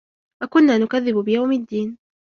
وكنا نكذب بيوم الدين